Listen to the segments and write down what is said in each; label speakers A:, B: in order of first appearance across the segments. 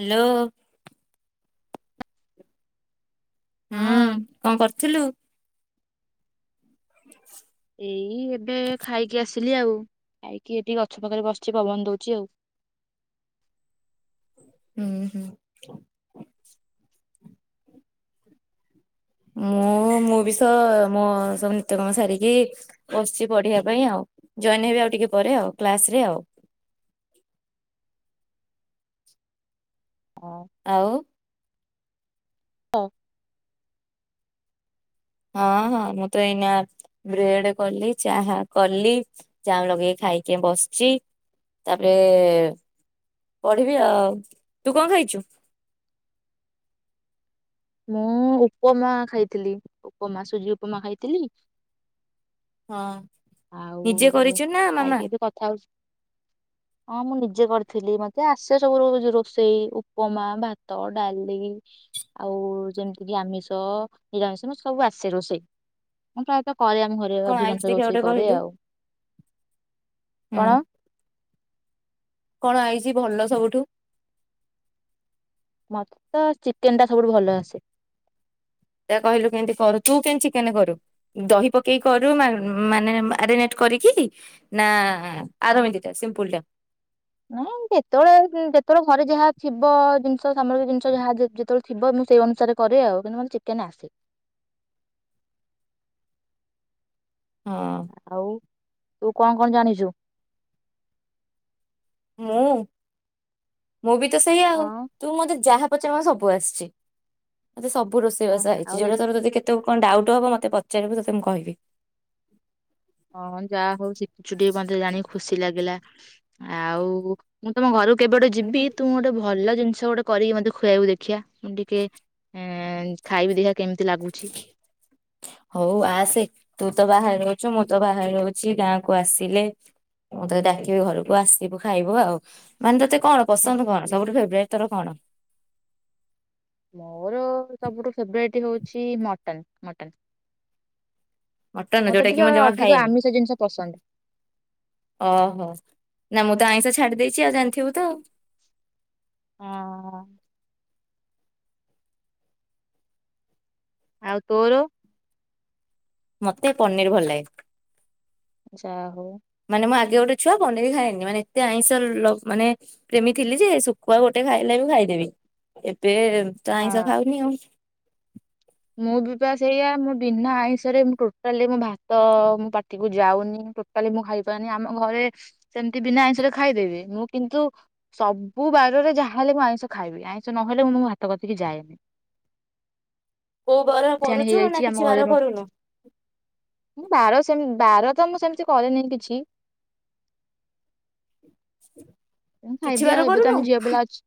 A: Hello ହୁଁ
B: ହଁ
A: କଣ କରିଥୁଲୁ। [unintelligible]
B: ଏଇ ଏବେ ଖାଇକି ଆସିଲି ଆଉ ଖାଇକି ଏଠିକି ଗଛ ପାଖରେ ବସିଛି ପବନ ଦଉଛି ଆଉ।
A: ହୁଁ ହୁଁ। ମୁଁ ମୁଁ ବି ତ ମୋ ସବୁ ନିତ୍ୟକମ ସାରିକି ବସିଛି ପଢିବା ପାଇଁ ଆଉ ଜଏନ ହେବି ଆଉ ଟିକେ ପରେ ଆଉ କ୍ଲାସରେ ଆଉ।
B: ହଁ,
A: ଆଉ।
B: ହଁ।
A: ହଁ ହଁ ମୁଁ ତ ଏଇନା ବ୍ରେଡ କଲି ଚାହା କଲି ଚା ଲଗେଇି ଖାଇକି ବସିଚଛି ତାପରେ ପଢିବି ଆଉ ତୁ କଣ ଖାଇଛୁ।
B: ମୁଁ ଉପମା ଖାଇଥିଲି ଉପମା ସୁଜି ଉପମା ଖାଇଥିଲି।
A: ହଁ। ନିଜେ
B: ଆଉ
A: କରିଛୁ ନା ମାମା
B: ଖାଇକି ଏବେ କଥା ହଉଛି ହଁ ମୁଁ ନି। ଜ କରିଥିଲି ମତେ ଆସେ ସବୁ ରୋଷେଇ ଉପମା ଭାତ ଡାଲି ଆଉ ଯେମିତିକ ଆମିଷ ନିରାମିଷ ମତେ ସବୁ ଆସେ ରୋଷେଇ ମୁ ପ୍ରାୟତଃ। ଘରେ ଆମ ଘରେ
A: କଣ ଆଇଛି
B: ଅଧିକାଂଶ
A: ଦେଖିଆ
B: ରୋଇ।
A: ଗୋଟେ
B: କ
A: କହିଲୁ
B: ଆଉ
A: ହୁଁ
B: କଣ
A: କଣ ହେଇଛି ଭଲ ସବୁଠୁ।
B: ମତେ ତ ଚିକେନ ଟା ସବୁଠୁ ଭଲ ଆସେ।
A: ତା କହିଲୁ କେମତି କରୁ ତୁ କେମତି ଚିକେନ କରୁ ଦହି ପକେଇକି କରୁ ମାନେ ମାରେଟ କରିକି ନା। ଆର ଏମିତିଟା ସିମ୍ପୁଲ ଟା
B: ନାଇଁ ଯେତେବେଳେ ଯେତେବେଳେ ଘରେ ଯାହା। ଥିବ ଜିନିଷ ସାମଗ୍ରୀ ଜିନିଷ ଯାହା ଯେତେବେଳେ ଥିବ ମୁଁ ସେଇ ଅନୁସାରେ କରେ ଆଉ କିନ୍ତ ମେ ଚିକେନ ଆସେ।
A: ହଁ
B: ଆଉ ତୁ କଣ କଣ ଜାଣିଛୁ।
A: ହଁ ମୁଁ ବି ତ ସେଇ ଆଉ
B: ହଁ
A: ତୁ ମତେ ଯାହା। ପଛେମ ସବୁ ଆସିଛି। ମତେ ସବୁ ରୋଷବାସ
B: ହଁ ଆଉ
A: ହେଛି
B: ଦେଖ
A: ଯଉଟା ତାର ତୋ କେତେ। କଣ ଡାଉଟ୍ ହବ ମତେ ପଚାରିବୁ ତତେ ମୁଁ କହିବି।
B: ହଁ ଯାହା ହଉ ଶିଖୁଛୁ ଟିକେ ମତେ ଜାଣିିକି ଖୁସି ଲାଗିଲା ଆଉ ମୁଁ ତମ ଘର। କେବେଟେ ଯିବି ତୁ ଗୋଟେ ଭଲ । ଜିନିଷ ଗୋଟେ କରିକି ମତେ ଖୁଆବାକୁ ଦେଖିବା। ମୁଣ୍ଡିକେ। ହଁ ଖାଇବି ଦେହ।
A: ହଉ ଆସେ ତୁ ତ ବାହଘର। ମୁଁ ତ ବାହାରେ ଅଛି ଗାଁକୁ ଆସିଲେ ମୁଁ ତତେ ଡାକିବି ଘରକୁ ଆସିବୁ ଖାଇବୁ ଆଉ ମାନେ ତୋତେ କଣ ପସନ୍ଦ କଣ ସବୁଠୁ ଫେବଟ ତର କଣ।
B: ମୋର ସବୁଠୁ ଫେବରଟ ହଉଛି ମଟନ ମଟନ।
A: ମଟନ
B: ମତେ
A: ଯୋଉଟା
B: ଟିକେ
A: କି ମୁଁ ଜମା
B: ଅଧିକ
A: ଖାଏନି
B: ଆମିଷ ଜିନିଷ ପସନ୍ଦ
A: ଓହୋ ନା ମୁଁ। ଦାଇଁଷ ଛାଡି ଦେଇେଇଛି ଆଉ ଜାଣିଥିବୁ ତ ଆଉ।
B: ହଁ। ଆଉ ତୋର।
A: ମତେ ପନିର ଭଲ ଲାଗେ।
B: ଯାହୋ।
A: ମାନେ ମୁଁ ଆଗେ ଗୋଟେ ଛୁଆ ପନିର ଖାଇନି ମାନେ ଏତେ ଆଇଁଷ ମାନେ ପ୍ରେମୀ ଥିଲି ଯେ ଶୁଖୁଆ ଗୋଟେ ଖାଇଲା ବି ଖାଇଦେବି ଏବେ। ତ ଆଇଁଷ
B: ହଁ
A: ଖାଉନି ଆଉ।
B: ମୁଁ ବିପାସ ଏଇଆ ମୁଁ ବିନା ଆଇଁଷରେ ମୁଁ ଟୋଟାଲି ମୋ ଭାତ ମୋ ପାଟିକୁ ଯାଉନି ଟୋଟାଲି ମୁଁ ଖାଇପାରୁନି ଆମ ଘରେ ସେମତି ବିନା ଆଇଁଷରେ ଖାଇଦବି ମୁଁ କିନ୍ତୁ ସବୁ ବାରରେ ଯାହାହେଲେ ମୁଁ ଆଇଁଷ ଖାଇବି ଆଇଁଷ ନହେଲେ ମୁଁ ମ ଭାତ କତିକି ଯାଏନି।
A: କୋଉ ବାର
B: ଜାଣି
A: କରୁଛୁ ନା
B: ହେଇଯାଇଛି
A: କିଛି
B: ଆମ
A: ବାର
B: ଘରେ
A: କରୁନୁ
B: ବାହାର ସେମ ବାର ତ ମୁଁ ସେମିତି କରେନି କିଛି।
A: [unintelligible] କିଛି
B: ଖାଇଦିଅ
A: ବାର
B: ଆଉ ଏବେ
A: କରୁନୁ
B: ତମେ ଝିଅ ପିଲା ଅଛ।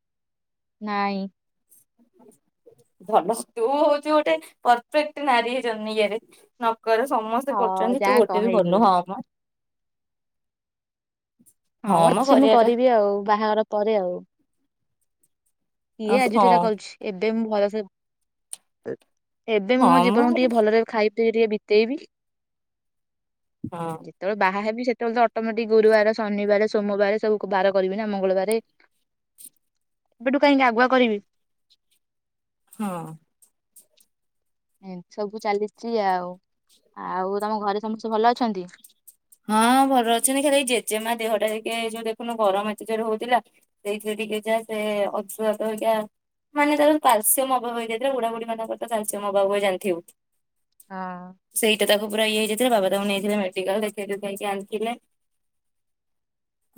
B: ନାଇଁ।
A: ଭଲ ତୁ ହଉଚ ଗୋଟେ ପରଫେକ୍ଟ ନାରୀ ହେଇ ଇରେ। ଘରେ ସମସ୍ତେ
B: ହଁ
A: କରୁଛନ୍ତି ତୁ
B: ଯାହା
A: ଗୋଟେ ବି
B: କହିଲୁ
A: କରୁନୁ ହଁ ହଁ।
B: ହଁ
A: ମ
B: ଅଛି ମୁଁ
A: କରିବାଟା
B: କରିବି ଆଉ ବାହାଘର ପରେ ଆଉ। ଇଏ ଆଜିଠଟା
A: ହଁ
B: କରିଛି ଏବେ ମୁଁ ଭଲସେ। [unintelligible] ଏବେ ମୁଁ ମୋ
A: ହଁ ମ
B: ଜୀବନକୁ ଟିକେ ଭଲରେ ଖାଇି ପିଇ ଟିକେ ବି ଦେବି।
A: ହଁ
B: ଯେତେବେଳେ ବାହା ହେବି ସେତେବେଳେ ତ ଅଟୋମେଟିକ ଗୁରୁବାର ଶନିବାର ସୋମବାରେ ସବୁ ବାର କରିବି ନା ମଙ୍ଗଳବାର ଏବେଠୁ କାହିଁକି ଆଗୁଆ କରିବି।
A: ହଁ
B: ଏମତି ସବୁ ଚାଲିଛି ଆଉ। ଆଉ ତମ ଘରେ ସମସ୍ତେ ଭଲ ଅଛନ୍ତି?
A: ହଁ ଭଲ ଅଛନ୍ତି ଖାଲି ଏ ଜେଜେମା ଦେହ ଟା ଟିକେ ଏଇ ଯୋଉ ଦେଖୁନୁ ଗରମ ଏତେ ଯୋରେ ହଉଥିଲା ସେଇଥିରେ ଟିକେ ଯା ସେ ଅଂଶୁଘାତ ହେକା ମାନେ ତାର କ୍ୟାଲସିୟମ ଅଭାବ ହେଇଯାଇଥିଲା ବୁଢା ବୁଢୀ ମାନଙ୍କର ତ କ୍ୟାଲସିୟମ ଅବାବବୁଏ ଜାଣିଥିବୁ।
B: ହଁ।
A: ସେଇଟା ତାକୁ ପୁରା ଇଏ ହେଇଯାଇଥିଲା ବାବା ତାକୁ ନେଇଥିଲେ ମେଡିକାଲ ଦେ ପାଇଁ କା ଆଣିଥିଲେ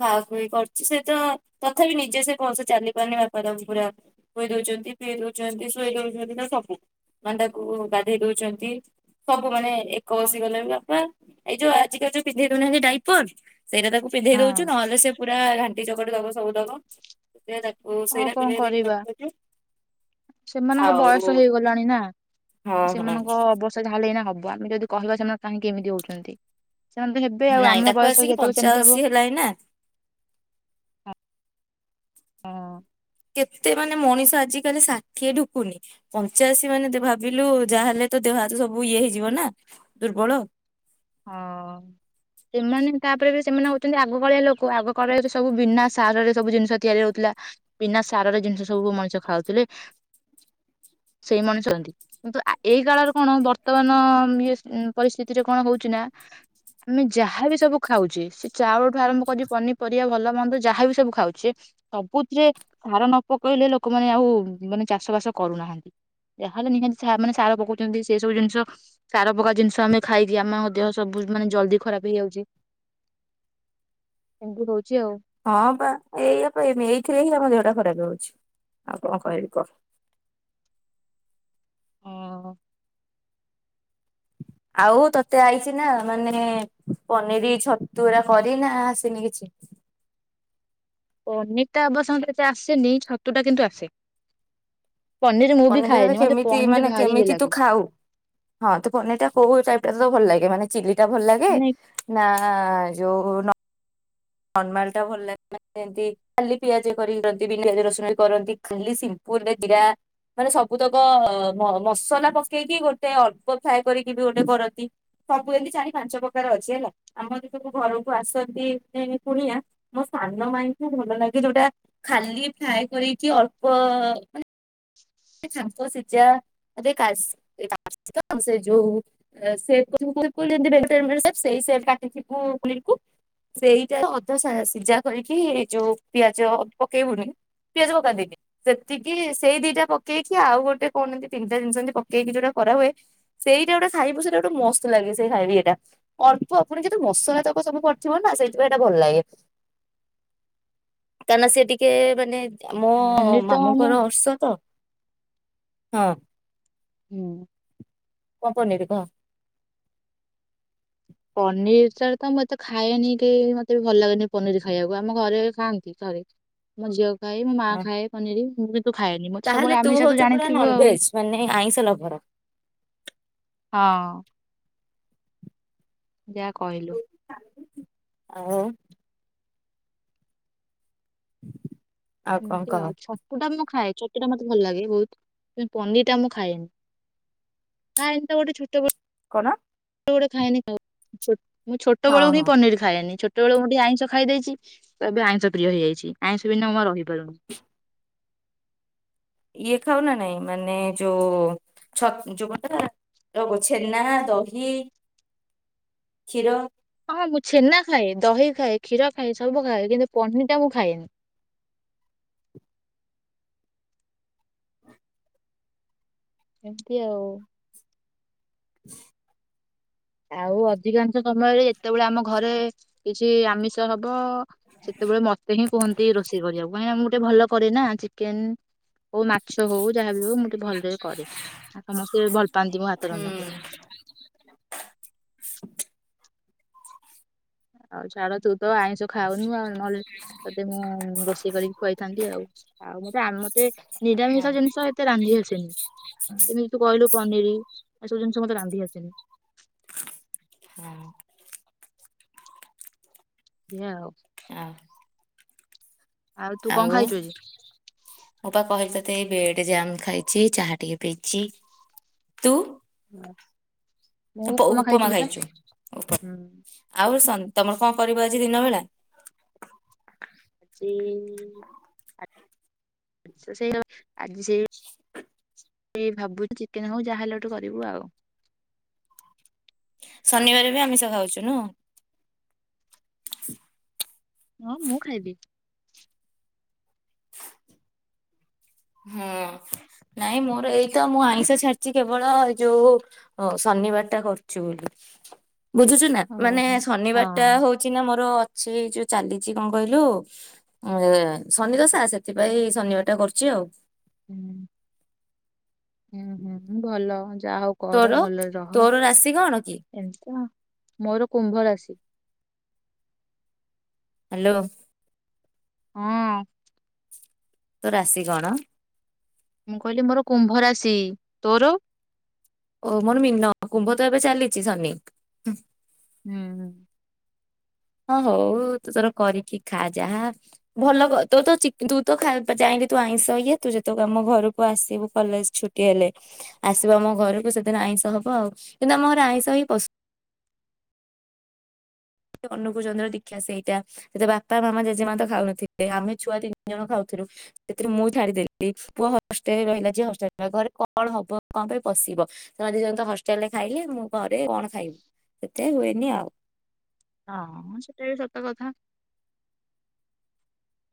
A: ଖାଆଖୁଇ କରୁଛି ସେ ତ ତଥାପି ନିଜେ ସେ ଭଲ ସେ ଚାଲି ପାରୁନି ବାପା ତାଙ୍କୁ ପୁରା ଖୁଏଇ ଦଉଛନ୍ତି ପିଏଇ ଦଉଛନ୍ତି ଶୋଇ ଦଉଛନ୍ତି ତ ସବୁ ମାନେ ତାକୁ ଗାଧେଇ ଦଉଛନ୍ତି ସବୁ ମାନେ ଏକ ବସିଗଲେ ବି ବାପା ଏଇ ଯୋଉ ଆଜିିକାଲି ଯୋଉ ପିନ୍ଧେଇ ଦେଉନାହିଁନ୍ତି ଡାଇପର୍ ସେଇଟା ତାକୁ ପିନ୍ଧେଇ ଦଉଚୁ ନହେଲେ ସେ ପୁରା ଘାଣ୍ଟି ଚକ୍। [unintelligible]
B: ହଉ କଣ
A: ପିନ୍ଧେଇ ଦେଇକି
B: କରିବା
A: ରଖୁଛୁ
B: ସେମାନଙ୍କ
A: ଆଉ
B: ବୟସ ହେଇଗଲାଣି ନା
A: ହଁ ହଁ।
B: ସେମାନଙ୍କ ଅବସ୍ତା ଯାହା ହେଲେ ହେଇନା ହବ। ଆମେ ଯଦି କହିବା ସେମାନେ କାହିଁ ଏମିତି ହଉଛନ୍ତି। ସେମାନେ ତ ହେବେ ଆଉ
A: ନାଇଁ
B: ଆମ
A: ତାକୁ
B: ବୟସ
A: ଆସିକି
B: ଯେତେବେଳେ ସେମିତି ହବ
A: ପଞ୍ଚାଅଶୀ ହେଲାଣିି ନା
B: ହଁ
A: କେତେ ମାନେ ମଣିଷ ଆଜିକାଲି ଷାଠିଏ ଢୁକୁନି ପଞ୍ଚାଅଶୀ ମାନେ ଭାବିଲୁ ଯାହାହଲେ ତ ଦେହ ହାତ ସବୁ ଇଏ ହେଇଯିବ ନା ଦୁର୍ବଳ।
B: ହଁ ସେମାନେ ତାପରେ ବି ସେମାନେ ହଉଛନ୍ତି ଆଗକାଳିଆ ଲୋକ ଆଗ କାଳୀଆ ସବୁ ବିନା ସାରରେ ସବୁ ଜିନିଷ ତିଆରି ହଉଥିଲା ବିନା ସାରରେ ଜିନିଷ ସବୁ ମଣିଷ ଖାଉଥିଲେ ସେଇ ମଣିଷ [unintelligible] କିନ୍ତୁ ଏଇ କାଳରେ କଣ ବର୍ତ୍ତମାନ ଇଏ ପରିସ୍ଥିତିରେ କଣ ହଉ ଚୁନା ଆମେ ଯାହାବି ସବୁ ଖାଉଛେ ସେ ଚାଉଳଠୁ ଆରମ୍ଭ କରି ପନିପରିବା ଭଲ ମନ୍ଦ ଯାହାବ ସବୁ ଖାଉଛେ ସବୁଥିରେ ସାର ନ ପକେଇଲେ ଲୋକମାନେ ଆଉ ମାନେ ଚାଷ ବାସ କରୁନାହାନ୍ତି ଯାହାହେଲେ ନିହାତି ମାନେ ସାର ପକଉଛନ୍ତି ସେ ସବୁ ଜିନିଷ ସାର ପକା ଜିନିଷ ଆମେ ଖାଇକି ଆମ ଦେହ ସବୁ ମାନେ ଜଲଦି ଖରାପ ହେଇଯାଉଛି। ଏମତି ହଉଛି। ଆଉ
A: ହଁ ପା ଏଇଆପା ଆମ ଏଇଥିରେ ହିଁ ଆମ ଦେ ଟା ଖରାପ ହଉଛି ଆଉ କଣ କହିବି କହ।
B: ହଁ
A: ଆଉ ତତେ ଆଇଛି ନା ମାନେ ପନିର ଛତୁରା କରି ନା ଆସିନି କିଛି?
B: ପନି ଟା ଅବଶ୍ୟ ଆସେନି ଛତୁ ଟା କିନ୍ତୁ ଆସେ। ପନିର ମୁଁ ବି
A: ପନିରଟା ତତେ
B: ଖାଏନି ମତେ
A: କେମିତି
B: ପନିର
A: ମାନେ
B: ଭାରି ଇଏ
A: କେମିତି ତୁ
B: ଲାଗେ
A: ଖାଉ? ହଁ ତୁ ପନିର ଟା ତତେ କୋଉ ଟାଇପ ଟା ତତେ ଭଲ ଲାଗେ? ମାନେ ଚିଲି ଟା ଭଲ ଲାଗେ
B: ମାନେ
A: ନା ଯଉ ନ ନର୍ମାଲ ଟା ଭଲ ଲାଗେମତି ଖାଲି ପିଆଜ କରିନ୍ତି ପିଆଜ ରସୁଣ କରନ୍ତି ଖାଲି ସିମ୍ପୁଲରେ ଜିରା ମାନେ ସବୁ ତକ ମ ମସଲା ପକେଇକି ଗୋଟେ ଅଳ୍ପ ଫ୍ରାଏ କରିକି ବି ଗୋଟେ କରନ୍ତି ସବୁ ଏମିତି ଚାରି ପାଞ୍ଚ ପ୍ରକାର ଅଛି ହେଲା ଆମର ସବୁ ଘରକୁ ଆସନ୍ତି କୁଣିଆ ମୋ ସାନ ମାଇଁଙ୍କୁ ଭଲ ଲାଗେ ଯୋଉଟା ଖାଲି ଫ୍ରାଏ କରିକି ଅଳ୍ପ ତାଙ୍କୁ ସିଝାରେ କାସ ଯୋଉ ସେପ ସେ [unintelligible] କ ସେଇଟା ଅଧ ସିଝା କରିକି ଯୋଉ ପିଆଜ ପକେଇବୁନି ପିଆଜ ପକାନ୍ତିନି ସେତିକି ସେଇ ଦିଟା ପକ ପକେଇକି ଆଉ ଗୋଟେ କଣ ଏନ୍ତି ତିନଟା ଜିନିଷ ପକେଇକି ଯୋଉଟା କରାହୁୁଏ ସେଇଟା ଗୋଟା ଖାଇବୁ ସେଇଟା ଗୋଟେ ମସ୍ତ ଲାଗେ ସେଇ ଖାଇବି ଏଇଟା ଅଳ୍ପ ଆପଣ ଯେତି ମସଲା ତକ ସବୁ ପଡ଼ିଥିବ ନା ସେଇଥିପାଇଁ ଏଇଟା ଭଲ ଲାଗେ କାହିଁକିନା ସେ ଟିକେ ମାନେ ମୋ
B: ପନିର ତ ମୁଁ
A: ମାମୁଁଙ୍କର ଅର୍ଷ ତ ହଁ
B: ହୁଁ
A: କଣ ପନିର କହ?
B: ପନିର ସାର୍ ତ ମୁଁ ଏତେ ଖାଏନି କେହି ମତେ ବି ଭଲ ଲାଗେନି ପନିର ଖାଇବାକୁ ଆମ ଘରେ ଖାଆନ୍ତି ଥରେ ମୋ ଝିଅ ଖାଏ ମୋ ମା
A: ହଁ
B: ଖାଏ ପନିର। ହଁ [unintelligible]
A: ତାହେଲେ ତୁ ହଉଛୁ ପୁରା ନନଭେଜ୍ ମାନେ ଆଇଁଷ ଲଭର।
B: ହଁ ଯା କହିଲୁ
A: ଓ ଆଉ କଣ
B: ଏମିତି
A: କହ
B: ଆଉ ଛତୁଟା ମୁଁ ଖାଏ ଛତୁ ଟା ମତେ ଭଲ ଲାଗେ ବହୁତ ପନିର ଟା ମୁଁ ଖାଏନି ଖାଏନି ତ ଗୋଟେ ଛତୁ
A: କଣ?
B: ଗୋଟେ ଖାଇନି ଖାଉ ଛତୁ ମୁଁ
A: ହଁ
B: ଛୋଟବେଳହିଁ
A: ହଁ।
B: ପନିର ଖାଏନି ଛୋ ଛୋଟବେଳୁ ମୁଁ ଟିକେ ଆଇଁଷ ଖାଇ ଦେଇଛି ତ ଏବେ ଆଇଁଷ ପ୍ରିୟଇ ହେଇଯାଇଛି ଆଇଁଷ ବିନା ମୁଁ ରହି ବ [unintelligible]
A: ଇଏ ଖାଉ ନା ନାଇଁ ମାନେ ଯୋଉ ଛ ଯୋଉ ଙ୍କ ସେଟା ଯଉ ଛେନା ଦହି କ୍ଷୀର
B: ହଁ ମୁଁ ଛେନା ଖାଏ ଦହି ଖାଏ କ୍ଷୀର ଖାଏ ସବୁ ଖାଏ କିନ୍ତୁ ପନିର ଟା ମୁଁ ଖାଏନି। ଏମିତି ଆଉ।
A: [inaudible]
B: ଆଉ ଅଧିକାଂଶ ସମୟରେ ଯେତେବେଳେ ଆମ ଘରେ କିଛି ଆମିଷ ହବ-ଅ-ଅ ସେତେବେଳେ ମତେ ହିଁ କୁହନ୍ତି ରୋଷେଇ କରିବାକୁ କାହିଁକିନା ମୁଁ ଗୋଟେ ଭଲ କରେ ନା ଚିକେନ ହଉ ମାଛ ହଉ ଯାହାବି ହଉ ମୁଁ ଟିକେ ଭଲରେ କରେ ଆଉ ସମସ୍ତେ ଭଲ ପାଆନ୍ତି ମୋ ହାତ
A: ହୁଁ
B: ରନ୍ଧାକୁ
A: [inaudible]
B: ହଉ ଛାଡ ତୁ ତ ଆଇଁଷ ଖାଉନୁ ଆଉ ନହେଲେ ତତେ ମୁଁ-ମୁଁ-ମୁଁ ରୋଷେଇ କରିକି ଖୁଆଇଥାନ୍ତି ଆଉ ଆଉ ମତେ ମତେ
A: ଆ
B: ନିରାମିଷ ଜିନିଷ ଏତେ ରାନ୍ଧି ଆସେନି ଏମିତି ତୁ କହିଲୁ। ପନିର ଏସବୁ ଜିନିଷ ମତେ ରାନ୍ଧି ଆସେନି
A: ହଁ
B: ଏୟା ଆଉ।
A: ଆ
B: ତୁ କଣ
A: ଆଉ
B: ଖାଇଛୁ ଆଜି?
A: ମୁଁ ପା କହିଲି ତ ମତେ ବେଡ ଜାମ୍ ଖାଇଛି ଚାହା ଟିକେ ପିଇଛି ତୁ
B: ହୁଁ ମୁଁ
A: ଉପ-
B: ଉପମା ଖାଇଥିଲି ପା
A: ଖାଇଛୁ ଉପମା
B: ହୁଁ
A: ଆଉ ସନ୍- ତମର କଣ କରିବ ଆଜି ଦିନ ବେଳା
B: ଚି ଆଛା ସେଇ ଆଜି ସେଇ ଇ ଭାବୁଛି ଚିକେନ ହଉ ଯାହା ହେଲେ ଗୋଟେ କରିବୁ ଆଉ।
A: ଶନିବାର ବି ଆମିଷ ଖାଉଛୁ ନୁହ।
B: ହଁ ମୁଁ ଖାଇବି।
A: ହୁଁ ନାଇଁ ମୋର ଏଇତ ମୁଁ ଆଇଁଷ ଛାଡିଛି କେବଳ ଏଇ ଯୋଉ ଶନିବାର ଟା କରୁଛି ବୋଲି। ବୁଝୁଛୁ ନା
B: ଓହୋ
A: ମାନେ
B: ହଁ
A: ଶନିବାର ଟା ହଉଛି ନା ମୋର। ସେଇ ଯୋଉ ଚାଲିଛି କଣ କହିଲୁ ଅ ଶନି ଦଶା ସେଥିପାଇଁ ଶନିବାରଟା କରୁଛି ଆଉ।
B: ହୁଁ ହୁଁ ହୁଁ ଭଲ। ଯାହା ହଉ କର
A: ତୋର
B: ଭଲରେ ରହ
A: ତୋର ରାଶି କଣ କି
B: ଏମିତି ମୋ ମୋର କୁମ୍ଭ ରାଶି
A: ହାଲୋ
B: ହଁ
A: ତୋ ରାଶି କଣ?
B: ମୁଁ କହିଲି ମୋର କୁମ୍ଭ ରାଶୀ ତୋର
A: ଓ ମୋର ମୀନ କୁମ୍ଭ ତ ଏବେ ଚାଲିଛି ଶନି।
B: ହୁଁ ହୁଁ।
A: ହଁ ହଉ ତୁ ତୋର କରିକି ଖା ଯାହା ଭଲ କ ତୋର ତ ତୁ ତା ଖାଇବୁ ପା ଯାଇକି ତୁ ଆଇଁଷ ଇଏ ତୁ ଯେତେବେଳେ ଆମ ଘରକୁ ଆସିବୁ କଲେଜ ଛୁଟି ହେଲେ ଆସିବୁ ଆମ ଘରକୁ ସେ ଦିନ ଆଇଁଷ ହବ ଆଉ କିନ୍ତୁ ଆମ ଘରେ ଆଇଁଷ ହି ପଶୁ ଅନୁକୂଳ ଚନ୍ଦ୍ର ଦୀକ୍ଷା ସେଇଟା ସେତ ବାପା ମାମା ଜେଜେମା ତ ଖାଉନଥିଲେ ଆମେ ଛୁଆ ତିନି ଜଣ ଖାଉଥିଲୁ ସେଥିରୁ ମୁଁ ଛାଡିଦେଲି ପୁଅ ହଷ୍ଟେଲରେ ରହିଲା ଯେ ହଷ୍ଟେ ରହିଲ ଘରେ କଣ ହବ କଣ ପାଇଁ ପଶିବ ସେମାନେ ଦି ଜଣ ତ ହଷ୍ଟେଲରେ ଖାଇଲେ ମୁଁ ଘରେ କଣ ଖାଇବୁ ସେଇଥିପାଇଁ ହୁଏନି ଆଉ।
B: ହଁ ସେଟା ବି ସତ କଥା।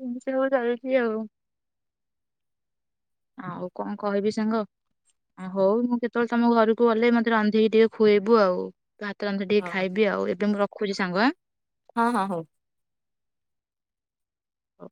B: ଏମିତି ସବୁ ଚାଲିଚି ଆଉ ଆଉ କଣ କହିବି ସାଙ୍ଗ ହଉ ମୁଁ କେତେବେଳେ ତମ ଘରକୁ ଗଲେ ମତେ ରାନ୍ଧିକି ଟିକେ ଖୁଏଇବୁ ଆଉ। ତୋ ହାତ ରନ୍ଧା ଟିକେ
A: ହଁ
B: ଖାଇବି ଆଉ ଏବେ ମୁଁ ରଖୁ ରଖୁଛି ସାଙ୍ଗ ଆଁ।
A: ହଁ ହଁ ହଉ।
B: ହ।